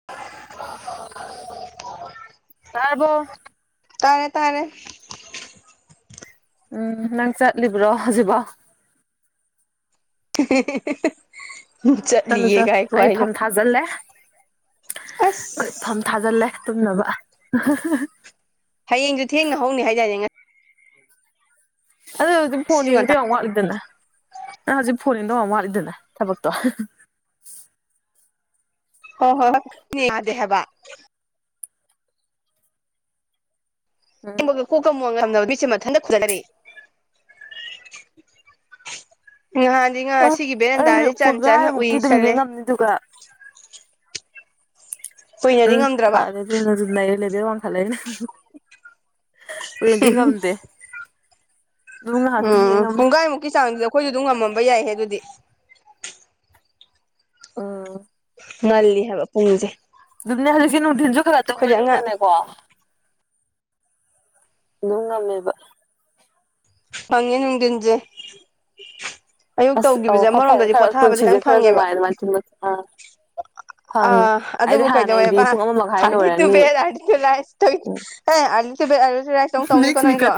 [inaudible] ꯇꯥꯔꯕꯣ ꯇꯥꯔꯦ- ꯇꯥꯔꯦ ꯎꯝ ꯅꯪ ꯆꯠꯂꯤꯕ꯭ꯔꯣ ꯍꯧꯖꯤꯛꯕꯥꯎ ꯆꯠꯂꯤꯌꯦ ꯉꯥꯏꯈꯣ ꯉꯥꯏꯈꯣ ꯖꯜꯂꯦ ꯑꯁ ꯐꯝ ꯊꯥꯖꯜꯂꯦ ꯇꯨꯝꯅꯕ ꯍꯌꯦꯡꯁꯨ ꯊꯦꯡꯅ ꯍꯧꯅꯤ ꯍꯥꯏꯗꯥꯏꯅꯦ ꯉꯥ ꯑꯩꯗꯣ ꯑꯗꯨꯝ ꯐꯣꯟ ꯉꯁꯤꯁꯨ ꯉꯟꯇꯥ ꯌꯦꯡꯕꯥꯗ ꯌꯥꯝ ꯋꯥꯠꯂꯤꯗꯅ ꯅꯪ ꯍꯧꯖꯤꯛ ꯐꯣꯟ ꯌꯦꯡꯗꯧ ꯌꯥꯝ ꯋꯥꯠꯂꯤꯗꯅ ꯊꯕꯛꯇꯣ ꯍꯣ-ꯍꯣ ꯍꯣ ꯅꯦ ꯌꯥꯗꯦ ꯍꯥꯏꯕ [unintelligible] ꯀ [unintelligible] ꯃꯌꯥꯝ ꯃꯌꯥꯝꯅꯥ ꯃꯤꯠꯁꯦ ꯃꯊꯟꯇꯥ ꯈꯨꯗꯠꯂꯔꯦ [unintelligible] ꯅꯍꯥꯟ ꯑꯩ ꯑ ꯉꯥꯁꯤꯒꯤ ꯕꯦꯔꯦꯟꯗꯥꯖꯤ ꯆꯠ-ꯆꯠꯅ ꯎꯏꯁꯜꯂꯦ ꯗꯨꯀ ꯀꯨꯏꯅꯗꯤ ꯎꯝ ꯉꯝꯗ꯭ꯔꯕ ꯐꯔꯦ ꯑꯗꯨꯅꯗꯨꯝ ꯅꯩꯔꯦ ꯂꯦꯕꯦꯜ ꯋꯥꯡꯈꯠꯂꯅꯤ ꯉꯝꯗꯤ ꯉꯝꯗꯦ ꯑꯗꯨꯝ ꯉꯥꯏꯍꯥꯛꯇꯤ ꯎꯝ ꯌꯦꯡꯉꯝꯃꯦ ꯄꯨꯡꯒꯥꯏꯃꯨꯛꯀꯤ ꯆꯥꯡꯗ ꯑꯩꯈꯣꯏꯁꯨ ꯑꯗꯨꯝ ꯉꯝꯃꯝꯕ ꯌꯥꯏꯍꯦ ꯑꯗꯨꯗꯤ ꯑꯥ ꯉꯜꯂꯤ ꯍꯥꯏꯕ ꯄꯨꯡꯁꯦ ꯑꯗꯨꯝꯅꯦ ꯍꯧꯖꯤꯛꯁꯦ ꯅꯨꯡꯊꯤꯟꯁꯨ ꯈꯔ ꯑꯩꯈꯣꯏꯗꯤ ꯑꯉꯥꯡ ꯇꯨꯝꯃꯅꯤꯅꯅꯦꯀꯣ ꯅꯨꯡꯉꯝꯃꯦꯕ ꯐꯪꯉꯦ ꯅꯨꯡꯗꯤꯟꯖꯦ ꯑꯌꯨꯛ ꯑꯁ ꯑꯧ ꯇꯧꯒꯤꯕꯁꯦ ꯈꯔ ꯐꯪꯉꯦ ꯑꯃꯔꯣꯝꯗꯗꯤ ꯈꯔ ꯄꯣꯊꯥꯕꯁꯦ ꯄꯨꯟꯁꯤꯁꯦ ꯈꯤꯇꯪ ꯈꯔ ꯐꯪꯉꯦꯕ ꯅꯨꯡꯉꯥꯏ ꯑꯗꯨꯃꯥꯏꯅ ꯇꯨꯝꯕꯁꯦ ꯑ ꯑ ꯐꯪꯉꯦ ꯑꯩꯗꯤ ꯑꯗꯨꯕꯨ ꯀꯩꯗꯧꯋꯦꯕ ꯍꯥꯟꯅꯩꯗꯤ ꯄꯨꯡ ꯑꯃ ꯃꯈꯥꯏ ꯑꯥꯔꯂꯤ ꯂꯣꯏꯔꯅꯤ ꯇꯨꯕꯦꯠ ꯑꯥꯔꯂꯤ ꯇꯨ ꯂꯥꯏꯁ ꯑꯦ ꯑꯥꯔꯂꯤ ꯇꯨꯕꯦꯠ ꯑꯥꯔꯂꯤ ꯇꯨ ꯔꯥꯏꯁ ꯑꯃꯨꯛ ꯇꯧꯅꯤꯀꯣ ꯅꯪꯁꯨ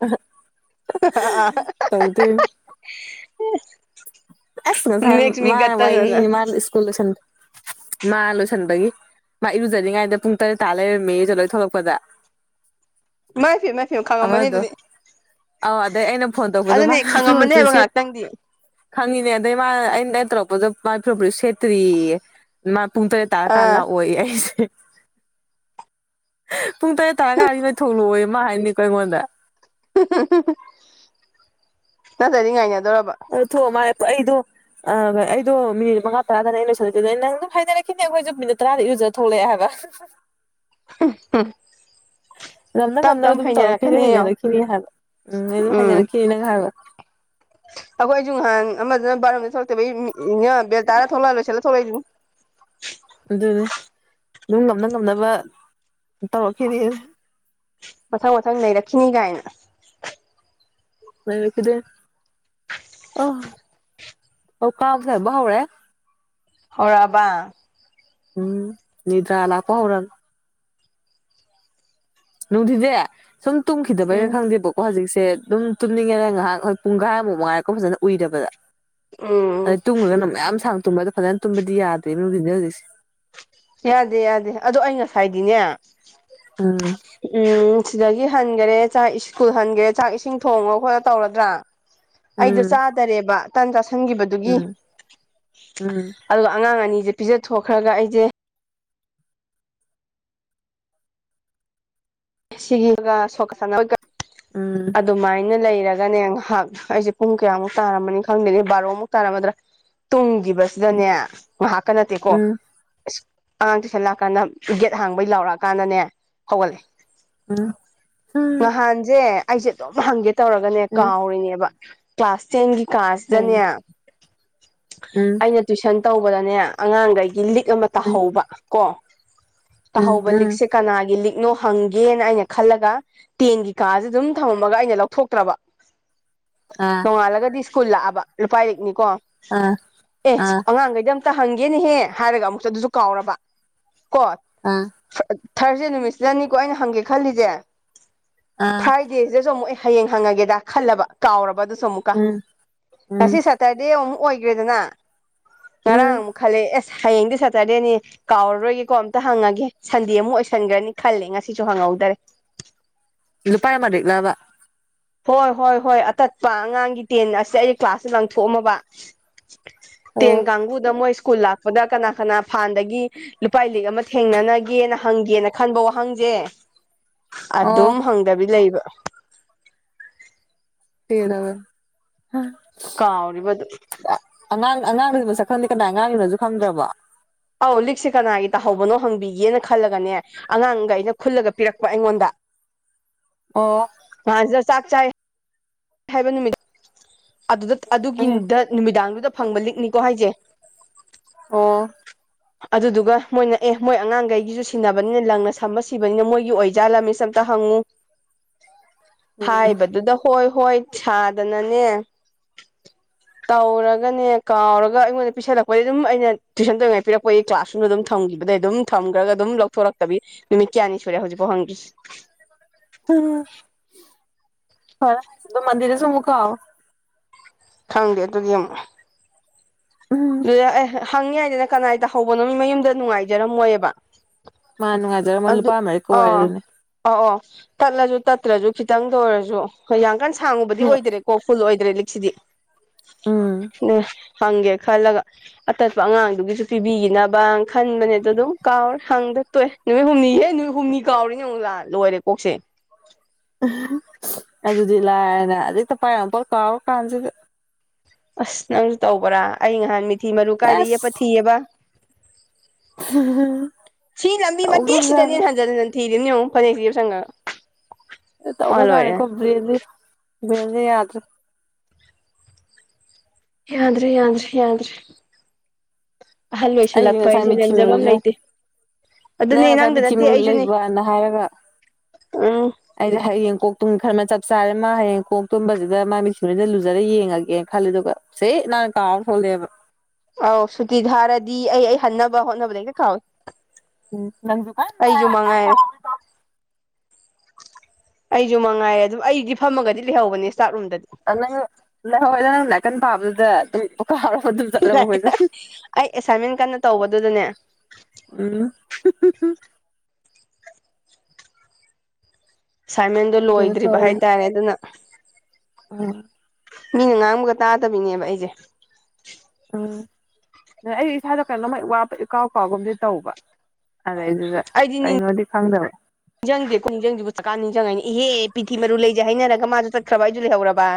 ꯎ ꯍ ꯑ ꯑꯁ ꯉꯁꯥꯏ ꯃꯥ ꯒꯠꯇꯅꯅ ꯋꯥꯔꯤꯂꯤꯔꯤꯅꯤ ꯃꯥ ꯁ꯭ꯀꯨꯜ ꯂꯣꯏꯁꯟ ꯃꯥ ꯂꯣꯏꯁꯟꯕꯒꯤ ꯃꯥ ꯏꯔꯨꯖꯔꯤꯉꯥꯏꯗ ꯄꯨꯡ ꯇꯔꯦꯠ ꯇꯥ ꯂꯩꯔꯝꯃꯦ ꯏꯔꯨꯖ ꯂꯣꯏ ꯊꯣꯛꯂꯛꯄꯗ ꯏꯃꯥꯏꯄꯦꯝꯃꯥ-ꯄꯦꯝ ꯈꯪꯉꯝꯃꯅꯤ ꯑꯃꯗꯣ ꯑꯗꯨꯗꯤ ꯑꯧ ꯑꯗꯩ ꯑꯩꯅ ꯐꯣꯟ ꯇꯧꯕꯗꯣ ꯑꯗꯨꯅꯦ ꯃꯥꯅ ꯐꯤꯔꯣꯜ ꯐꯨꯔꯤꯠ ꯈꯪꯉꯝꯃꯅꯦꯕ ꯁꯦꯠ ꯉꯥꯏꯍꯥꯛꯇꯪꯗꯤ ꯈꯪꯉꯤꯅꯦ ꯑꯗꯩ ꯃꯥ ꯑꯩꯅ ꯇꯧꯔꯛꯄꯗꯣ ꯃꯥ ꯐꯨꯔꯤꯠ ꯁꯦꯇ꯭ꯔꯤꯌꯦꯌꯦ ꯃꯥ ꯄꯨꯡꯇꯔꯦꯠ ꯇꯥ ꯀꯥꯟ ꯑꯥ ꯂꯥ ꯑꯣꯌꯦ ꯑꯩꯁꯦ ꯄꯨꯡ ꯇꯔꯦꯠ ꯇꯔꯥ ꯀꯥꯟꯁꯤꯗ ꯊꯣꯡꯉꯣꯌꯦ ꯃꯥ ꯍꯥꯏꯅꯤꯀꯣ ꯑꯩꯉꯣꯟꯗ ꯅꯠꯇ꯭ꯔꯗꯤ ꯉꯥꯏꯅꯗꯧꯔꯕ ꯊꯣꯛ ꯃꯥ ꯑꯩꯗ ꯑꯣꯏ ꯑꯩꯗꯣ ꯃꯤꯅꯤꯠ ꯃꯉꯥ ꯇꯔꯥꯅ ꯑꯩ ꯂꯣꯏꯁꯤꯜꯂꯛꯦꯗꯅꯦ ꯅꯪ ꯑꯗꯨꯝ ꯍꯥꯏꯅꯔꯛꯈꯤꯅꯦ ꯑꯩꯈꯣꯏꯁꯨ ꯃꯤꯅꯤꯠ ꯇꯔꯥꯗ ꯌ ꯊꯣꯂꯦ ꯍꯥꯏꯕ [inaudible] [inaudible] ꯉꯝꯅ ꯇꯞ ꯉꯝꯅꯕ ꯇꯞ ꯑꯗꯨꯝ ꯇꯧꯔꯛꯈꯤꯅꯦ ꯍꯩꯅꯔꯛꯀꯅꯤ ꯌꯦꯡꯉꯣ ꯍꯩꯅꯔꯛꯈꯤꯅꯤ ꯍꯥꯏꯕ ꯎꯝ ꯑꯗꯨꯝ ꯍꯩꯅꯔꯛꯈꯤꯅꯤ ꯅꯪ ꯍꯥꯏꯕ ꯑꯩꯈꯣꯏ ꯑꯩꯁꯨ ꯅꯍꯥꯟ ꯑꯃꯗꯅ ꯕꯥꯔꯣꯝꯗ ꯊꯣꯛꯂꯛꯇꯕ ꯑꯩ ꯏ ꯕꯦꯜ ꯇꯔꯥ ꯊꯣꯛꯂꯛꯑ ꯂꯣꯏꯁꯤꯠꯂ ꯊꯣꯛꯂꯛꯏ ꯑꯗꯨꯅꯤ ꯑꯗꯨꯝ ꯉꯝꯅ ꯉꯝꯅꯕ ꯇꯧꯔꯛꯈꯤꯔ ꯃꯊꯪ ꯃꯊꯪ ꯅꯩꯔꯛꯈꯤꯅꯤ ꯀꯥꯏꯅ ꯅꯩꯔꯛꯈꯤꯗꯣꯏ ꯑ ꯑꯣ ꯀꯥꯡꯁꯦ ꯑꯃꯨꯛ ꯍꯧꯔꯛꯏ ꯍꯧꯔꯛꯑꯕ ꯎꯝ ꯅꯨꯗ꯭ꯔꯥ ꯂꯥꯛꯄ ꯍꯧꯔ ꯅꯨꯡꯊꯤꯁꯦ ꯁꯨꯝ ꯇꯨꯝꯈꯤꯗꯕꯩꯩꯔꯥ ꯎꯝ ꯈꯪꯗꯦꯕꯣꯛ ꯍꯧꯖꯤꯛꯁꯦ ꯑꯗꯨꯝ ꯇꯨꯝꯅꯤꯡꯉꯦꯔ ꯉꯥꯏꯍꯥꯛ ꯍꯣꯏ ꯄꯨꯡ ꯒꯥꯏꯃꯨꯛ ꯃꯉꯥꯏꯔꯛꯀꯣ ꯐꯖꯅ ꯎꯏꯗꯕꯗ ꯑ ꯎꯝ ꯇꯨꯝꯂꯒ ꯃꯌꯥꯝ ꯁꯥꯡ ꯇꯨꯝꯕꯗ ꯐꯖꯅ ꯇꯨꯝꯕꯗꯤ ꯌꯥꯗ꯭ꯔꯦꯅ ꯍꯧꯖꯤꯛ ꯍꯧꯖꯤꯛꯁꯦ ꯌꯥꯗꯦ ꯌꯥꯗꯦ ꯑꯗꯣ ꯑꯩ ꯉꯁꯥꯏꯗꯤꯅꯦ ꯎꯝ ꯎꯝ ꯁꯤꯗꯒꯤ ꯍꯟꯈꯔꯦ ꯆꯥꯛ ꯁ꯭ꯀꯨꯜ ꯍꯟꯒꯦꯔꯦ ꯆꯥꯛ ꯏꯁꯤꯡ ꯊꯣꯡꯉ ꯈꯣꯠꯂ ꯇꯧꯔꯗ꯭ꯔꯥ ꯑꯩꯗꯣ ꯎꯝ ꯆꯥꯗꯔꯦꯕ ꯇꯥꯟ ꯆꯥꯥꯁꯟꯈꯤꯕꯗꯨꯒꯤ ꯎꯝ ꯎꯝ ꯑꯗꯨꯒ ꯑꯉꯥꯡ ꯑꯅꯤꯁꯦ ꯄꯤꯖꯊꯣꯛꯈ꯭ꯔꯒ ꯑꯩꯁꯦ ꯁꯤꯒ ꯁ ꯎꯝ ꯑꯗꯨꯃꯥꯏꯅ ꯂꯩꯔꯒ ꯅꯦ ꯉꯥꯏꯍꯥꯛ ꯑꯩꯁꯦ ꯄꯨꯡ ꯀꯌꯥꯃꯨꯛ ꯇꯥꯔꯝꯃꯅꯤ ꯈꯪꯗꯦꯦ ꯕꯥꯔꯣꯃꯨꯛ ꯇꯥꯔꯝꯃꯗ꯭ꯔꯥ ꯇꯨꯡꯈꯤꯕꯁꯦ ꯁꯤꯗꯅꯦ ꯃꯍꯥꯛꯀ ꯅꯠꯇꯦꯀꯣ ꯎꯝ ꯑ ꯑꯉꯥꯡ ꯇꯨꯁꯟꯂꯥꯛꯑꯀꯥꯟꯗ ꯒꯦꯠ ꯍꯥꯡꯕꯩ ꯌꯥꯥꯎꯔꯛꯑꯀꯥꯟꯗꯅꯦ ꯍꯧꯒꯠꯂꯦ ꯎꯝ ꯎꯝ ꯅꯍꯥꯟꯁꯦ ꯑꯩꯁꯦ ꯑꯗꯨꯝ ꯍꯪꯒꯦ ꯇꯧꯔꯒꯅꯦ ꯎꯝ ꯀꯥꯎꯔꯤꯅꯦꯕ ꯀ꯭ꯂꯥꯁ ꯇꯦꯟꯒꯤ ꯀꯥꯁꯤꯗꯅꯦ ꯀꯩꯅꯣ ꯎꯝ ꯑꯩꯅ ꯇꯨꯏꯁꯟ ꯇꯧꯕꯗꯅꯦ ꯑꯉꯥꯡꯈꯗꯒꯤ ꯂꯤꯛ ꯑꯃ ꯎꯝ ꯇꯥꯍꯧꯕ ꯀꯣ ꯎꯝ ꯀꯥꯍꯧꯕ ꯎꯝ ꯂꯤꯛꯁꯦ ꯀꯅꯥꯒꯤ ꯂꯤꯛꯅꯣ ꯍꯪꯒꯦꯅ ꯑꯩꯅ ꯈꯜꯂꯒ ꯇꯦꯟꯒꯤ ꯀꯥꯥꯁꯦ ꯑꯗꯨꯝ ꯊꯝꯃꯝꯃꯒ ꯑꯩꯅ ꯂꯧꯊꯣꯛꯇ꯭ꯔꯕ ꯑ ꯅꯤꯣ ꯑꯥ ꯑꯥ ꯑꯥꯡ ꯑ ꯇ ꯍꯪꯒꯦꯅꯦꯍꯦ ꯍꯥꯏꯔꯒ ꯑꯃꯨꯛꯛꯇ ꯑꯗꯨꯁꯨ ꯀꯥꯎꯔꯕ ꯀꯣ ꯑ ꯊꯥꯔꯁꯗꯦ ꯅꯨꯃꯤꯠꯁꯤꯗꯅꯤꯀꯣ ꯑꯩꯅ ꯍꯪꯒꯦ ꯈꯜꯂꯤꯁꯦ ꯑꯥ ꯁꯤꯗꯁꯨ ꯑꯃꯨꯛ ꯑꯩ ꯍꯌꯦꯡ ꯍꯪꯉꯒꯦꯗ ꯈꯜꯂꯕ ꯀꯥꯎꯔꯕ ꯑꯗꯨꯁꯨ ꯑꯃꯨꯛꯀ ꯎꯝ ꯎꯝ ꯉꯁꯤꯠ ꯁꯇꯔꯗꯦ ꯑꯃꯨꯛ ꯑꯣꯏꯈ꯭ꯔꯦꯗꯅ ꯉꯔꯥꯡ ꯎꯝ ꯑꯃꯨꯛ ꯈꯜꯂꯛꯑꯦ ꯑꯦꯁ ꯍꯌꯦꯡꯗꯤ ꯁꯦꯇꯔꯗꯦꯅꯤ ꯀꯥꯎꯔꯔꯣꯏꯒꯦꯀꯣ ꯑꯝꯇ ꯍꯪꯉꯒꯦ ꯁꯟꯗꯦ ꯑꯃꯨꯛ ꯑꯣꯏꯁꯟꯈ꯭ꯔꯅꯤ ꯈꯜꯂꯦ ꯉꯁꯤꯁꯨ ꯍꯪꯍꯧꯗꯔꯦ ꯂ ꯎꯄꯥ ꯃꯥꯤꯛꯂꯋꯥ ꯍꯣꯏ ꯍꯣꯏ ꯍꯣꯏ ꯑꯇꯠꯄ ꯑꯉꯥꯡꯒꯤ ꯇꯦꯟ ꯑꯁꯤ ꯑꯩ ꯀ꯭ꯂꯥꯁꯇ ꯂꯪꯊꯣꯛꯑꯝꯃꯕ ꯇꯦꯟ ꯑꯣ ꯀꯥꯡꯕꯨꯗ ꯃꯣꯏ ꯁ꯭ꯀꯨꯜ ꯂꯥꯛꯄꯗ ꯀꯅꯥ ꯀꯅꯥ ꯐꯥꯟꯗꯒꯤ ꯂꯨꯄꯥꯥꯏ ꯂꯤꯛ ꯑꯃ ꯊꯦꯡꯅꯅꯒꯦꯅ ꯍꯪꯒꯦꯅ ꯈꯟꯕ ꯋꯥꯍꯪꯁꯦ ꯑꯣ ꯑꯗꯨꯝ ꯍꯪ ꯗꯕꯤ ꯂꯩꯕ ꯦꯕ ꯍꯥ ꯀꯥꯎꯔꯤꯕꯗꯨ ꯑꯉꯥꯡ ꯑꯉꯥꯡꯗꯨꯁꯨ ꯃꯁꯛ ꯈꯪꯗꯦ ꯀꯗꯥꯏ ꯑꯉꯥꯡꯗꯨꯅꯁꯨ ꯈꯪꯗ꯭ꯔꯕ ꯑꯧ ꯂꯤꯛꯁꯦ ꯀꯅꯥꯒꯤ ꯇꯥꯍꯧꯕꯅꯣ ꯍꯪꯕꯤꯒꯦꯅ ꯈꯜꯂꯒꯅꯦ ꯑꯉꯥꯡꯈꯩꯅ ꯈꯨꯜꯂꯒ ꯄꯤꯔꯛꯄ ꯑꯩꯉꯣꯟꯗ ꯑꯣ ꯍꯥꯟꯖ ꯁꯥꯥꯛ ꯆ ꯍꯥꯏꯕ ꯅꯨꯃꯤꯠ ꯑꯗꯨꯗ ꯎꯝ ꯑꯗꯨꯒꯤꯗ ꯅꯨꯃꯤꯗꯥꯡꯗꯨꯗ ꯐꯪꯕ ꯂꯤꯛꯅꯤꯀꯣ ꯍꯥꯏꯁꯦ ꯑꯣ [unintelligible] ꯑꯗꯨꯗꯨꯒ ꯃꯣꯏꯅ ꯑꯦ ꯃꯣꯏ ꯑꯉꯥꯡꯈꯩꯒꯤꯁꯨ ꯁꯤꯟꯅꯕꯅꯤꯅ ꯂꯪꯅ ꯁꯝꯕ ꯁꯤꯕꯅꯤꯅ ꯃꯣꯏꯒꯤ ꯑꯣꯏꯖꯥꯠꯂ ꯃꯤꯁ ꯑꯝꯇ ꯍꯪꯉꯨ ꯎꯝ ꯍꯥꯏꯕꯗꯨꯗ ꯍꯣꯏ ꯍꯣꯏ ꯁꯥꯗꯅꯅꯦ ꯇꯧꯔꯒꯅꯦ ꯀꯥꯎꯔꯒ ꯑꯩꯉꯣꯟꯗ ꯄꯤꯁꯜꯂꯛꯄꯗꯤ ꯑꯗꯨꯝ ꯑꯩꯅ ꯇꯨꯏꯁꯟ ꯇꯧꯔꯤꯉꯥꯏ ꯄꯤꯔꯛꯄꯒꯤ ꯀ꯭ꯂꯥꯁ ꯅꯨ ꯑꯗꯨꯝ ꯊꯝꯈꯤꯕꯗꯩ ꯑꯗꯨꯝ ꯊꯝꯈ꯭ꯔꯒ ꯑꯗꯨꯝ ꯂꯧꯊꯣꯔꯛꯇꯕꯤ ꯅꯨꯃꯤꯠ ꯀꯌꯥꯅꯤ ꯁꯨꯔꯦ ꯍꯧꯖꯤꯛꯐꯥꯎ ꯍꯪꯗ꯭ꯔꯤꯁꯦ ꯎꯝ ꯍ ꯃꯗꯤꯔꯁꯨ ꯃꯨꯀ ꯑꯣ ꯈꯪꯗꯦ ꯑꯗꯨꯗꯤ ꯑꯃꯨꯛ ꯎꯝ ꯑꯗꯨꯗ ꯑꯦ ꯍꯪꯉꯉꯏꯗꯅ ꯀꯅꯥꯏꯗ ꯍꯧꯕꯅꯣ ꯃꯤ ꯃꯌꯨꯝꯗ ꯅꯨꯡꯉꯥꯏꯖꯔꯝꯃꯣꯏꯑꯕ ꯃꯥꯅ ꯉ ꯑꯗꯨ ꯑꯥ ꯑꯥ ꯑꯣ ꯇꯠꯂꯁꯨ ꯇꯠꯇ꯭ꯔꯁꯨ ꯈꯤꯇꯪꯗ ꯑꯣꯏꯔꯁꯨ ꯍꯣꯏ ꯌꯥꯝꯡ ꯀꯥꯟ ꯁꯥꯡꯉꯨꯕꯗꯤ ꯑꯣꯏꯗ꯭ꯔꯦꯀꯣ ꯐꯨꯜ ꯑꯣꯏꯗ꯭ꯔꯦ ꯂꯤꯛꯁꯤꯗꯤ ꯎꯝ ꯎ ꯍꯪꯦ ꯈꯜꯂꯒ ꯑꯇꯠꯄ ꯑꯉꯥꯡꯗꯨꯒꯤꯁꯨ ꯄꯤꯕꯤꯈꯤꯅꯕꯅ ꯈꯟꯕꯅꯦꯗ ꯑꯗꯨꯝ ꯀꯥꯎꯔꯦ ꯍꯪꯗ ꯇꯣꯛꯑꯦ ꯅꯨꯃꯤꯠ ꯍꯨꯝꯅꯤꯍꯦ ꯅꯨꯃꯤꯠ ꯍꯨꯝꯅꯤ ꯀꯥꯎꯔꯤꯅꯤ ꯌꯦꯉꯨ ꯂꯥꯛ ꯂꯣꯏꯔꯦ ꯀꯣꯛꯁꯦ [unintelligible] ꯑꯗꯨꯗꯤ ꯂꯥꯏꯔꯅ ꯑꯗꯩꯛꯇ ꯄꯥꯏꯔ ꯄꯣꯠ ꯀꯥꯎꯔ ꯀꯥꯟꯁꯤꯗ ꯑꯁ ꯅꯪꯁꯨ ꯇꯧꯕ꯭ꯔꯥ ꯑꯩ ꯉꯍꯥꯟ ꯃꯤꯊꯤ ꯃꯔꯨ ꯀꯥꯏꯗ ꯌꯦꯞꯄ ꯑꯁ ꯊꯤꯌꯦꯕ ꯁꯤ ꯂꯝꯕꯤ ꯃꯇꯦꯛꯁꯤꯗꯅꯤ ꯇꯧꯈ꯭ꯔꯕꯖꯥꯠꯅꯤ ꯍꯟꯖꯟ ꯍꯟꯖꯟ ꯊꯤꯔꯤꯝꯅꯤ ꯌꯣꯡꯎ ꯐꯅꯦꯛꯁꯤ ꯌꯦꯞꯁꯟꯒ꯭ꯔꯒ ꯋꯥ ꯂꯣꯏꯔꯦ ꯇꯧꯒꯖꯥꯅꯤꯀꯣ ꯕ꯭ꯔꯦꯟꯗꯤ ꯕꯦꯟꯗꯤ ꯌꯥꯗ꯭ꯔꯦ ꯌꯥꯗ꯭ꯔꯤ ꯌꯥꯗ꯭ꯔꯤ ꯌꯥꯗ꯭ꯔꯤ ꯑꯍꯜ ꯑꯣꯢꯁꯤꯜ ꯑꯩꯁꯦ ꯂꯛꯄ ꯉꯁꯥꯏ ꯍꯥꯏꯁꯦ ꯃꯤꯊꯤ ꯂꯦꯝꯖꯕꯝ ꯃꯔꯨꯁꯦ ꯌꯦꯡꯉꯨ ꯂꯩꯇꯦ ꯅꯪ ꯑꯗꯨꯅꯦ ꯉꯁꯥꯏ ꯅꯪꯗ ꯃꯤꯊꯤ ꯅꯠꯇꯦ ꯃꯔꯨ ꯑꯩꯁꯨꯅꯦ ꯂꯩꯕꯅ ꯍꯥꯏꯔꯒ ꯎꯝ ꯑꯩꯁꯦ ꯍꯌꯦꯡ ꯀꯣꯛ ꯇꯨꯝ ꯈꯟ ꯑꯃ ꯆꯞ ꯆꯥꯔꯦ ꯃꯥ ꯍꯌꯦꯡ ꯀꯣꯛ ꯇꯨꯝꯕꯁꯤꯗ ꯃꯥ ꯃꯤꯠꯁꯤꯟꯅ ꯂꯨꯖꯔ ꯌꯦꯡꯉꯒꯦ ꯈꯜꯂꯦ ꯑꯗꯨꯒ ꯁꯦꯠ ꯅꯥꯟ ꯀꯥꯎꯊꯣꯔꯛꯑꯦꯕ ꯑꯧ ꯁꯨꯇꯤ ꯊꯥꯔꯗꯤ ꯑꯩ ꯑꯩ ꯍꯟꯅꯕ ꯍꯣꯠꯅꯕ ꯍꯦꯛꯇ ꯀꯥꯎꯏ ꯎꯝ ꯅꯪꯖꯨ ꯐꯟꯕ ꯑꯩꯖꯨ ꯃꯉꯥꯏꯔꯦ ꯐꯟꯀꯥꯎꯢ [unintelligible] ꯑꯩꯖꯨ ꯃꯉꯥꯏꯔꯦ ꯑꯗꯨꯝ ꯑꯩꯗꯤ ꯐꯝꯃꯒꯗꯤ ꯂꯩꯍꯧꯕꯅꯦ ꯏꯁ꯭ꯇꯥꯠ ꯔꯨꯝꯗꯗꯤ [unintelligible] ꯂꯩꯍꯧꯌꯦ ꯅꯪ ꯂꯥꯢ ꯀꯟ ꯄꯥꯕꯗꯨꯗ ꯑꯗꯨꯝ ꯍ [unintelligible] [unintelligible] ꯑꯩ ꯑꯦꯁꯥꯏꯟꯃꯦꯟ ꯀꯟꯅ ꯇꯧꯕꯗꯨꯗꯅꯦ ꯎꯝ ꯑꯁꯥꯏꯟꯃꯦꯟꯗꯣ ꯈꯪꯗꯦꯗ ꯂꯣꯏꯗ꯭ꯔꯤꯕ ꯍꯥꯏꯇꯥꯔꯦ ꯑꯗꯨꯅ ꯑꯝ ꯃꯤꯅ ꯉꯥꯡꯕꯒ ꯇꯥꯗꯕꯤꯅꯦꯕ ꯑꯩꯁꯦ ꯎꯝ ꯑꯩ ꯏꯁꯥꯗꯣ ꯀꯩꯅꯣꯝꯃ ꯢꯋꯥꯠꯕ ꯏꯀꯥꯎ ꯀꯥꯎꯒꯨꯝꯗꯤ ꯇꯧꯕ ꯑꯗꯩ ꯗꯨꯗ ꯀꯩꯅꯣꯗꯤ ꯈꯪꯗꯕ ꯅꯤꯡꯖꯪꯀꯣ ꯈꯣꯢꯅꯤꯡꯖꯪꯗꯦ ꯍꯧꯖꯤꯛꯀꯥꯟ ꯅꯤꯡꯁꯤꯡꯉꯛꯢꯅꯦ ꯏꯍꯦ ꯄꯤꯊꯤ ꯃꯔꯨ ꯂꯩꯖꯦ ꯍꯥꯏꯅꯔꯒ ꯃꯥꯁꯨ ꯆꯠꯈ꯭ꯔꯕ ꯑꯩꯗꯨꯁꯨ ꯂꯩꯍꯧꯔꯕ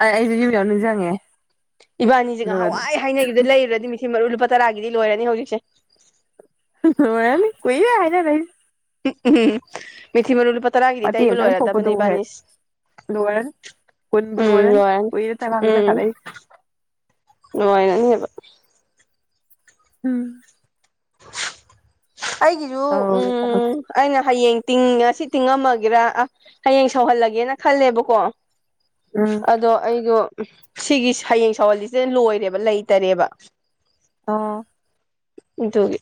ꯑꯩ ꯑꯩꯁꯦ ꯌꯨꯝꯌꯧꯔ ꯅꯤꯡꯖꯪꯉꯛꯑꯦ ꯏꯕꯥꯅꯤꯖꯦ ꯅꯍꯥꯟꯋꯥꯏ ꯍꯥꯏꯅꯈꯤꯕꯗ ꯂꯩꯔꯨꯔꯗꯤ ꯃꯤꯊꯤ ꯃꯔꯨ ꯂꯨꯄꯥ ꯇꯔꯥꯒꯤꯗꯤ ꯂꯣꯏꯔꯅꯤ ꯍꯧꯖꯤꯛꯁꯦ ꯂꯣꯢꯔꯅꯤ ꯀꯨꯢꯔꯦ ꯍꯥꯏꯅꯔꯛꯢꯁꯦ ꯎꯝ ꯎꯝ ꯃꯤꯊꯤ ꯃꯔꯨ ꯂꯨꯄꯥ ꯇꯔꯥꯒꯤꯗꯤ ꯃꯇꯦꯛ ꯇꯩꯕ ꯑꯃꯇꯪ ꯂꯣꯏꯔꯗꯕꯅꯦ ꯊꯣꯛꯄꯗꯨꯕꯨ ꯍꯦꯛ ꯏꯕꯥꯅꯤꯁꯤ ꯂꯣꯏꯔꯅꯤ ꯀꯨꯟꯕꯨ ꯂꯣꯏꯔꯅꯤ ꯀꯨꯏꯔꯦ ꯇꯒꯪꯅ ꯈꯜꯂꯛꯏꯁꯦ ꯅꯨꯉꯥꯏꯅꯅꯦꯕ ꯎꯝ ꯑꯩꯒꯤꯁꯨ ꯇꯧꯔꯤ ꯊꯕꯛ ꯎꯝ ꯑꯩꯅ ꯍꯌꯦꯡ ꯇꯤꯡ ꯉꯁꯤ ꯇꯤꯡꯉꯝꯃꯒꯦꯔ ꯑ ꯍꯌꯦꯡ ꯁꯧꯍꯜꯂꯒꯦꯅ ꯈꯜꯂꯦꯕꯀꯣ ꯎꯝ ꯑꯗꯣ ꯑꯩꯗꯣ ꯁꯤꯒꯤ ꯍꯌꯦꯡ ꯁꯋꯥꯜꯂꯤꯁꯦ ꯂꯣꯏꯔꯦꯕ ꯂꯩꯇꯔꯦꯕ ꯑ ꯑꯗꯨꯒꯤ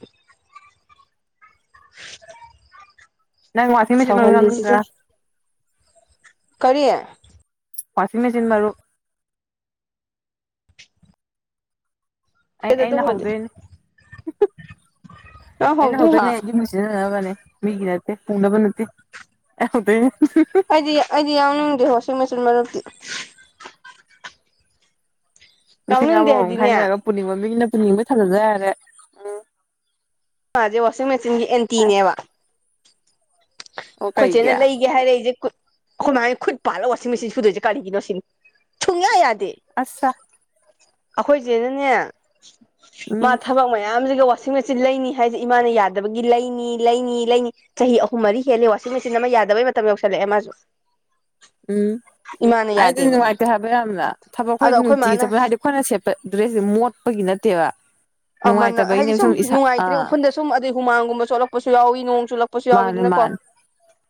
ꯅꯪ ꯋꯥꯁꯤ ꯃꯆꯠ ꯉꯅꯤꯡꯗ꯭ꯔꯥ ꯁꯧꯍꯜꯂꯤꯁꯤꯗ ꯀꯔꯤ ꯋꯥꯁꯤ ꯃꯦꯁꯤꯤꯟ ꯃꯔ ꯑꯩ ꯑꯩꯅ ꯑꯗꯨꯒꯨꯝꯕꯗꯤ ꯍꯧꯗꯣꯏꯅꯦ ꯅꯪ ꯑꯩꯅ ꯍꯧꯗꯣꯏꯅꯦ ꯍꯧꯗꯣꯏꯔꯣ ꯑꯩ ꯁꯤꯖꯤꯟꯅꯅꯕꯅꯦ ꯃꯤꯒꯤ ꯅꯠꯇꯦ ꯄꯨꯅꯕ ꯅꯠꯇꯦ ꯌꯥꯗ ꯑꯩꯗꯤ ꯑꯩꯗꯤ ꯌꯥꯎꯅꯤꯡꯗꯦ ꯋꯥꯁꯤꯡ ꯃꯦꯆꯤꯟ ꯃꯔꯨꯞꯇꯤ ꯂꯤꯁꯤꯡ ꯌꯥꯎꯅꯤꯡꯗꯦ ꯑꯃꯃꯝ ꯍꯥꯏꯗꯤꯅꯦ ꯈꯥꯏꯅꯔꯒ ꯄꯨꯅꯤꯡꯕ ꯃꯤꯒꯤꯅ ꯄꯨꯅꯤꯡꯕ ꯊꯝꯖꯝꯕ ꯌꯥꯔꯦ ꯃꯥꯁꯦ ꯋꯥꯁꯤꯡ ꯃꯦꯆꯤꯟꯒꯤ ꯑꯦꯟꯇꯤꯅꯦꯕ ꯑꯣ ꯀꯩꯒꯤ ꯈꯣꯏꯆꯦꯅ ꯂꯩꯒꯦ ꯍꯥꯏꯔꯛꯏꯁꯦ ꯀꯨꯢ ꯑꯩꯈꯣꯏ ꯃꯥꯥꯏꯅ ꯈꯨꯠ ꯄꯥꯜꯂꯒ ꯋꯥꯁꯤꯡ ꯃꯦꯆꯤꯟ ꯁꯨꯗꯣꯏꯁꯦ ꯀꯔꯤꯒꯤꯅꯣ ꯁꯤꯅꯤ ꯁꯨꯡꯌꯥ ꯌꯥꯗꯦ ꯑꯁꯁꯥ ꯑꯩꯈꯣꯏꯆꯦꯅꯅꯦ ꯃꯥ ꯎꯝ ꯊꯕꯛ ꯃꯌꯥꯝꯁꯤꯒ ꯋꯥ ꯁꯤꯡꯃꯦꯁꯤꯟ ꯂꯩꯅꯤ ꯍꯥꯏꯁꯦ ꯏꯃꯥꯅ ꯌꯥꯗꯕꯒꯤ ꯂꯩꯅꯤ ꯂꯩꯅꯤ ꯂꯩꯅꯤ ꯆꯍꯤ ꯑꯍꯨꯝ ꯃꯔꯤ ꯍꯦꯜꯂꯤ ꯋꯥꯁ ꯁꯤ ꯃꯆꯤꯟ ꯑꯃ ꯌꯥꯗꯕꯩ ꯃꯇꯝ ꯌꯧꯁꯤꯜꯂꯛꯑꯦ ꯃꯥꯁꯨ ꯎꯝ ꯏꯃꯥꯅ ꯍꯥꯏꯗꯨꯗꯤ ꯌꯥꯗꯦꯕ ꯅꯨꯡꯉꯥꯏꯇꯦ ꯍꯥꯏꯕ ꯌꯥꯝꯅ ꯊꯕꯛ ꯑꯗꯣ ꯑꯩꯈꯣꯏ ꯅꯨꯡꯇꯤꯒꯤ ꯃꯥꯅ ꯆꯠꯄ ꯍꯥꯏꯗꯤ ꯑꯩꯈꯣꯏꯅ ꯁꯦꯠꯄ ꯗ꯭ꯔꯦꯁꯁꯦ ꯃꯣꯠꯄꯒꯤ ꯅꯠꯇꯦꯕ ꯑꯃꯅ ꯍꯥꯏꯗꯤ ꯅꯨꯡꯉꯥꯏꯇꯕꯩꯅꯦꯕ ꯁꯨꯝ ꯏꯁꯥ ꯅꯨꯡꯉꯥꯏꯇ꯭ꯔꯦ ꯑꯥ ꯎꯐꯨꯟꯗ ꯁꯨꯝ ꯑꯗꯩ ꯍꯨꯃꯥꯡꯒꯨꯝꯕ ꯆꯣꯠꯂꯛꯄꯁꯨ ꯌꯥꯎꯏ ꯅꯣꯡ ꯆꯣꯠꯂꯛꯄꯁꯨ ꯌꯥꯎꯋꯤꯗꯅꯀꯣ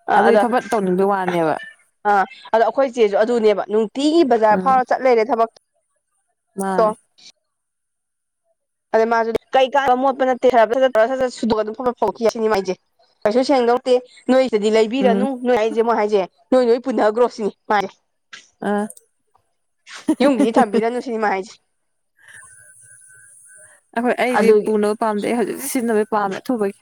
[unintelligible] ꯑꯗꯨꯗꯤ ꯐꯠ ꯐꯠ ꯇꯧꯅꯤꯡꯕꯣꯏ ꯋꯥꯅꯦꯕ ꯑꯥ ꯑꯗꯣ ꯑꯩꯈꯣꯏ ꯆꯆꯦꯁꯨ ꯑꯗꯨꯅꯦꯕ ꯅꯨꯡꯇꯤꯒꯤ ꯕꯖꯥꯔ ꯎꯝ ꯐꯥꯎꯔ ꯆꯠ ꯂꯩꯔꯦ ꯊꯕꯛꯇ ꯃꯥꯅꯦ ꯑꯗꯩ ꯃꯥꯁꯨ ꯀꯩꯥꯟ ꯃꯣꯠꯄꯅꯠ ꯁꯨꯒ ꯑꯗꯨꯝ ꯐꯠꯄ ꯐꯥꯎꯈꯤ ꯁꯤꯅꯤꯃꯥꯏꯁꯦ ꯀꯩꯁꯨ ꯁꯦꯡꯗꯧꯗꯦ ꯅꯣꯏꯁꯤꯗꯤ ꯎꯝ ꯂꯩꯕꯤꯔꯅꯨ ꯅꯣꯏ ꯑꯩꯁꯦꯃꯨꯛ ꯍꯥꯏꯁꯦ ꯅꯣꯏ ꯅꯣꯏ ꯄꯨꯟꯅꯈ꯭ꯔꯣ ꯁꯤꯅꯤ ꯃꯥꯅꯦ ꯑꯥ ꯌꯨꯝꯒꯤꯗꯤ ꯊꯝꯕꯤꯔꯅꯨ ꯁꯤꯅꯤꯃꯥꯏꯁꯦ ꯑꯩꯈꯣꯏ ꯑꯩꯗꯤ ꯑꯗꯨꯒꯤ ꯄꯨꯅꯕ ꯄꯥꯝꯗꯦ ꯑꯩ ꯍꯧꯖꯤꯛꯇꯤ ꯁꯤꯖꯤꯟꯅꯕꯩ ꯄꯥꯝꯃꯦ ꯑꯊꯨꯕꯒꯤ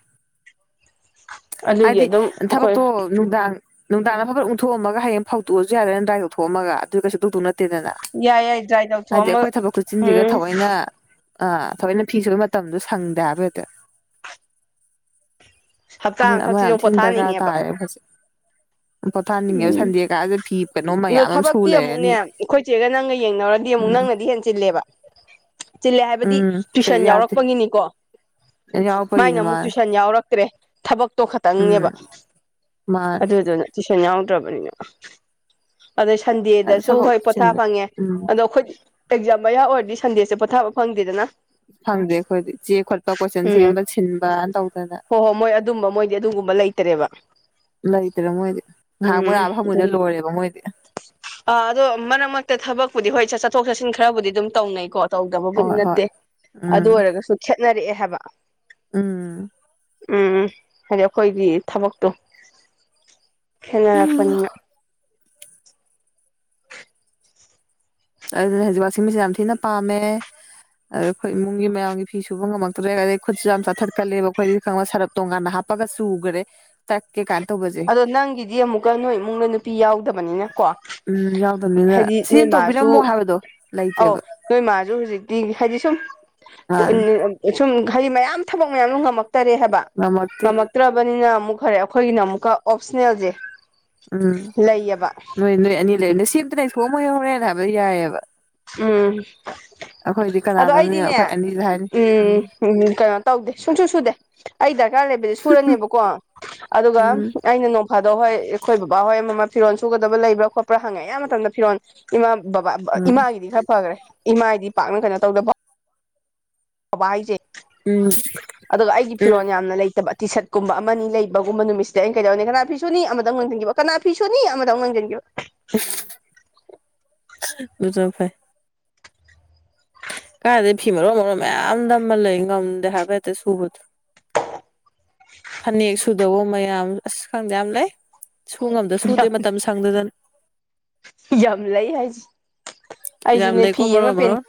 ꯑꯗꯨꯒꯤ ꯍꯥꯏꯗꯤ ꯑꯗꯨꯝ ꯑꯩꯈꯣꯏ ꯊꯕꯛꯇꯣ ꯅꯨꯡꯗꯥꯡ ꯅꯨꯡꯗꯥꯡꯅ ꯐꯕꯠ ꯎꯟꯊꯣꯛꯑꯝꯒ ꯍꯌꯦꯡ ꯐꯥꯎꯣꯛꯑꯁꯨ ꯌꯥꯗꯅ ꯅ ꯗ꯭ꯔꯥꯏ ꯇꯧꯊꯣꯛꯑꯝꯒ ꯑꯗꯨꯗꯤ ꯀꯩꯁꯨ ꯇꯧꯗꯧ ꯅꯠꯇꯦꯗꯅ ꯌꯥꯏ ꯌꯥꯏ ꯗ꯭ꯔꯥꯏ ꯍꯥꯏꯗꯤ ꯇꯧꯊꯣꯛꯑꯝꯃ ꯑꯩꯈꯣꯏ ꯊꯕꯛ ꯈꯨꯠꯆꯤꯟꯁꯤꯒ ꯎꯝ ꯊꯑꯣꯏꯅ ꯑꯥ ꯐꯤ ꯁꯨꯕ ꯃꯇꯝꯗꯣ ꯁꯪꯗꯦ ꯍꯥꯏꯕ ꯍꯛꯇꯥ ꯍꯞꯇꯥ ꯑꯗꯨꯅ ꯑꯃ ꯌꯥꯝ ꯑꯃꯈꯛꯁꯤꯁꯨ ꯊꯤꯅ ꯗꯔꯀꯥꯔ ꯄꯣꯊꯥꯅꯤꯡꯉꯦꯕ ꯇꯥꯔꯦ ꯍꯧꯖꯤꯛ ꯄꯣꯊꯥꯅꯤꯡꯉꯦꯕ ꯎꯝ ꯁꯟꯗꯦ ꯀꯥꯁꯦ ꯐꯤ ꯀꯩꯅꯣ ꯑꯗꯣ ꯃꯌꯥꯝ ꯑꯃ ꯁꯨ ꯊꯕꯛꯇꯤ ꯑꯃꯨꯛꯅꯦ ꯂꯩꯔꯅꯤ ꯑꯩꯈꯣꯏ ꯆꯦꯒ ꯅꯪꯒ ꯌꯦꯡꯅꯔꯗꯤ ꯑꯃꯨꯛ ꯎꯝ ꯅꯪꯅꯗꯤ ꯑꯍꯟ ꯆꯜꯂꯦꯕ ꯆꯤꯜꯂꯦ ꯍꯥꯏꯕꯗꯤ ꯎꯝ ꯁꯤ ꯇꯨꯏꯁꯟ ꯌꯥꯗꯦ ꯌꯥꯎꯔꯛꯄꯒꯤꯅꯤꯀꯣ ꯃꯥꯏꯅ ꯌꯥꯎꯔꯛꯄꯒꯤꯅꯤ ꯑꯃꯨꯛ ꯃꯥꯅꯦ ꯇꯨꯏꯁꯟ ꯌꯥꯎꯔꯛꯇ꯭ꯔꯦ ꯊꯕꯛꯇꯣ ꯈꯇꯪꯅꯦꯕ ꯃꯥ ꯑꯗꯨꯗꯨꯅ ꯇꯨꯏꯁꯟ ꯌꯥꯎꯗ꯭ꯔꯕꯅꯤꯅ ꯑꯗꯩ ꯁꯟꯗꯦꯗꯁꯨ ꯊꯕꯛ ꯍꯣꯏ ꯄꯣꯊꯥ ꯆꯤꯟꯕ ꯐꯪꯉꯦ ꯎꯝ ꯑꯗꯣꯣꯏ ꯑꯦꯛꯖꯥꯝ ꯃꯌꯥ ꯑꯣꯏꯔꯗꯤ ꯁꯟꯗꯦꯁꯦ ꯄꯣꯊꯥꯕ ꯐꯪꯗꯦꯗꯅ ꯐꯪꯗꯦ ꯑꯩꯈꯣꯏꯗꯤ ꯆꯦ ꯈꯣꯠꯄ ꯀꯣꯏꯆꯟ ꯁꯦꯝꯕ ꯁꯤꯟꯕꯅ ꯇꯧꯗꯅ ꯍꯣꯏ ꯍꯣ ꯃꯣꯏ ꯑꯗꯨꯝꯕ ꯃꯣꯏꯗꯤ ꯑꯗꯨꯒꯨꯝꯕ ꯂꯩ [unintelligible] ꯂꯩꯇ꯭ꯔꯦ ꯃꯣꯏꯗꯤ ꯉꯥꯏꯍꯥꯛ ꯃꯣꯏ ꯑ ꯐꯃꯣꯏꯗ ꯂꯣꯏꯔꯦꯕ ꯃꯣꯏꯗꯤ ꯑ ꯑꯗꯣ ꯃꯔꯛ ꯃꯔꯛꯇ ꯊꯕꯛꯄꯨꯗꯤ ꯍꯣꯏ ꯆꯠꯊꯣꯛ ꯆꯠꯁꯤꯟ ꯈꯔꯕꯨꯗꯤ ꯑꯗꯨꯝ ꯇꯧꯅꯩꯀꯣ ꯇꯧꯗꯕꯕꯨꯗꯤ ꯍꯣꯏ ꯍꯣꯏ ꯅꯠꯇꯦ ꯑꯗꯨ ꯎꯝ ꯑꯣꯏꯔꯒꯁꯨ ꯈꯦꯠꯅꯔꯛꯑꯦ ꯍꯥꯏꯕ ꯎꯝ ꯎꯝ ꯍꯥꯏꯗꯤ ꯑꯩꯈꯣꯏꯒꯤ ꯊꯕꯛꯇꯣ ꯈ ꯦꯅꯔꯛꯄꯅꯤꯅ ꯑꯗꯨꯅꯦ ꯍꯧꯖꯤꯛ ꯋꯥꯥꯁꯤꯡ ꯃꯤꯆꯤꯟ ꯌꯥꯝ ꯊꯤꯅ ꯄꯥꯝꯃꯦ ꯑꯗ ꯑꯩꯈꯣꯏ ꯏꯃꯨꯡꯒꯤ ꯃꯌꯥꯝꯒꯤ ꯐꯤ ꯁꯨꯕ ꯉꯝꯃꯛꯇ꯭ꯔꯦ ꯑꯗꯒꯤꯩ ꯈꯨꯠꯁꯨ ꯌꯥꯝ ꯆꯥꯊꯠꯀꯜꯂꯦꯕ ꯑꯩꯈꯣꯏꯗꯤ ꯈꯪꯕ ꯁꯔꯞ ꯇꯣꯉꯥꯟꯅ ꯍꯥꯞ ꯄꯥꯒ ꯆꯨꯒꯔꯦ ꯇꯛꯀꯦ ꯀꯥꯟ ꯇꯣꯕꯁꯦ ꯑꯗꯣ ꯅꯪꯒꯤꯗꯤ ꯑꯃꯨꯛꯀ ꯅꯣꯏ ꯏꯃꯨꯡꯅ ꯅꯨꯄꯤ ꯌꯥꯎꯗꯕꯅꯤꯅꯀꯣ ꯎꯝ ꯌꯥꯎꯗꯕꯅꯤꯅ ꯁꯤꯃ ꯇꯧꯕꯤꯔꯝꯃꯣ ꯍꯥꯏꯕꯗꯣ ꯑꯧ ꯂꯩꯇꯦꯕ ꯅꯣꯏ ꯃꯥꯁꯨ ꯍꯧꯖꯤꯛꯇꯤ ꯍꯥꯏꯗꯤ ꯁꯨꯝ ꯃꯥꯅꯦ [unintelligible] ꯁꯨꯝ ꯍꯥꯏꯗꯤ ꯃꯌꯥꯝ ꯊꯕꯛ ꯃꯌꯥꯝꯗꯥ ꯉꯝꯃꯛꯇꯔꯦ ꯍꯥꯏꯕ ꯅꯠꯇꯦ ꯅꯛꯇ꯭ꯔꯕꯅꯤꯅ ꯑꯃꯨꯛ ꯈꯔꯦ ꯑꯩꯈꯣꯏꯒꯤꯅ ꯑꯃꯨꯛꯀ ꯑꯣꯞꯁꯅꯦꯜꯁꯦ ꯎꯝ ꯂꯩꯌꯦꯕ ꯅꯣꯏ ꯅꯣꯏ ꯑꯅꯤ ꯂꯩꯔ ꯅꯣꯏ ꯁꯦꯝꯇꯅ ꯁꯣꯛꯑꯝꯃꯣꯏ ꯍꯧꯧꯔꯦꯅ ꯍꯥꯏꯕ ꯌꯥꯏꯑꯕ ꯎꯝ ꯑꯩꯈꯣꯏꯗꯤ ꯑꯗꯣ ꯀꯅꯥꯅꯣꯝꯅꯤꯅ ꯑꯩꯈꯣꯏ ꯑꯩꯗꯤꯅꯦ ꯑꯅꯤꯗ ꯍꯥꯏꯅꯤ ꯎꯝ ꯎ ꯀꯩꯅꯣ ꯇꯧꯗꯦ ꯁꯨꯡꯁꯨ ꯁꯨꯗꯦ ꯑꯩ ꯗꯔꯀꯥꯔ ꯂꯩꯕꯗꯤ ꯁꯨꯔꯅꯦꯕꯀꯣ ꯑꯗꯨꯒ ꯎꯝ ꯑꯩꯅ ꯅꯣꯡ ꯐꯥꯗꯧ ꯍꯣꯏ ꯑꯩꯈꯣꯏ ꯕꯕꯥꯍꯣꯏ ꯃꯃꯥ ꯐꯤꯔꯣꯟ ꯁꯨꯒꯗꯕ ꯂꯩꯕ꯭ꯔ ꯈꯣꯠꯄ꯭ꯔꯥꯪꯉꯛꯦ ꯑꯕ ꯃꯇꯝꯗ ꯐꯤꯔꯣꯜ ꯏꯃꯥ ꯕꯕꯥ ꯎꯝ ꯏꯃꯥꯒꯤꯗꯤ ꯈꯔ ꯐꯈꯔꯦ ꯏꯃꯥꯒꯤꯗꯤ ꯄꯥꯛꯅ ꯀꯩꯅꯣ ꯇꯧꯗꯕ ꯐꯕ ꯍꯥꯏꯖꯩ ꯎꯝ ꯑꯗꯨꯒ ꯑꯩꯒꯤ ꯎꯝ ꯐꯤꯔꯣꯜ ꯌꯥꯝꯅ ꯂꯩꯇꯕ ꯇꯤ ꯁꯔꯠꯀꯨꯝꯕ ꯑꯃꯅꯤꯅꯤ ꯂꯩꯕꯒꯨꯝꯕ ꯅꯨꯃꯤꯠꯁꯤꯗ ꯑꯩꯅ ꯀꯩꯗꯧꯅꯤ ꯀꯅꯥ ꯐꯤꯁꯨꯅꯤ ꯑꯃꯗ ꯑꯃꯨꯛ ꯂꯪꯁꯤꯟꯈꯤꯕ ꯀꯅꯥ ꯐꯤꯁꯨꯅꯤ ꯑꯃꯗ ꯑꯃꯨꯛ ꯂꯪꯁꯤꯟꯈꯤꯕ [unintelligible] [unintelligible] ꯀꯥꯏꯗꯩ ꯐꯤ ꯃꯔꯣꯟ ꯃꯔꯣꯟ ꯃꯌꯥꯝ ꯅꯝꯃ ꯂꯩ ꯉꯝꯗꯦ ꯍꯥꯏꯕ ꯍꯦꯛꯇ ꯁꯨꯕꯗꯣ ꯐꯅꯦꯛ ꯁꯨꯗꯧꯕ ꯃꯌꯥꯝ ꯑꯁ ꯈꯪꯗꯦ ꯌꯥꯝ ꯂꯩ ꯁꯨ ꯉꯝꯗꯦ ꯁꯨꯗꯦ ꯌꯥꯝ ꯃꯇꯝ ꯁꯪꯗꯗꯅ ꯌꯥꯝ ꯂꯩ ꯍꯥꯏꯁꯤ ꯌꯥꯝ ꯑꯩꯁꯨꯅꯦ ꯐꯤ ꯂꯩꯀꯣ ꯑꯃ ꯃꯔꯣꯟ ꯄꯦꯟ ꯃꯔꯣꯟ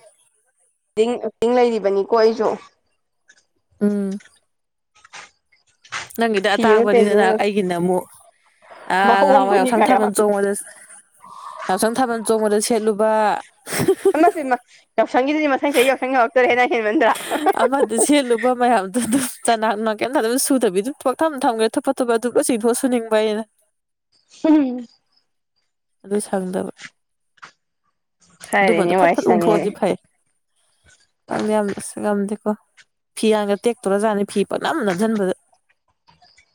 ꯇꯤꯡ ꯇꯤꯡ ꯂꯩꯔꯤꯕꯅꯤꯀꯣ ꯑꯩꯁꯨ ꯎꯝ ꯅꯪꯒꯤꯗ ꯐꯤ ꯑꯃ ꯄꯦꯟꯗꯤꯡ ꯑꯇꯥꯡꯕꯅꯤꯗꯅ ꯂꯩ ꯑꯩꯒꯤꯅ ꯑꯃꯨꯛ ꯑꯥ ꯉꯍꯥꯟꯋꯥꯏ ꯑꯍꯣꯡꯕꯅꯤ ꯌꯥꯎꯁꯪ ꯀꯥꯏꯌꯣ ꯊꯥꯕꯜ ꯆꯣꯡꯕꯗꯁꯨ ꯌꯥꯎꯁꯪ ꯊꯥꯕꯜ ꯆꯣꯡꯕꯗ ꯁꯦꯠꯂꯨꯕ [unintelligible] ꯌꯥꯎꯁꯪꯒꯤꯗꯨꯗꯤ ꯃꯊꯪ ꯆꯍꯤ ꯌꯥꯎꯁꯪ ꯌꯧꯔꯛꯇꯧꯔꯦ ꯅꯪ ꯍꯦꯟꯃꯟꯗ꯭ꯔꯥ ꯃꯌꯥꯝ [unintelligible] ꯆꯅꯥꯛꯅ ꯀꯩꯝꯇ ꯑꯗꯨꯝ ꯁꯨꯗꯕꯤꯗꯨ ꯄꯪꯊꯝ ꯊꯝꯈ꯭ꯔꯦ ꯊꯨꯞꯄ ꯊꯨꯞꯄ ꯑꯗꯨ ꯂꯣꯎ ꯆꯤꯡꯊꯣꯛꯑ ꯁꯨꯅꯤꯡꯕ ꯑꯩꯅ [unintelligible] [unintelligible] ꯑꯗꯨ ꯁꯪꯗꯕ ꯑꯗꯨꯃꯗꯣ ꯈꯔꯗꯤ ꯐꯠ ꯋꯥꯏ ꯐꯠ ꯁꯪꯉꯦꯅꯦ ꯎꯪꯊꯣꯛꯑꯗꯤ ꯐꯩ [unintelligible] ꯌꯥꯝꯝꯗꯦꯀꯣ ꯐꯤꯌꯥꯟꯒ ꯇꯦꯛꯇꯣꯔ ꯖꯥꯠꯅꯤ ꯐꯤ ꯄꯪꯅꯝ ꯅꯝꯁꯤꯟꯕꯗ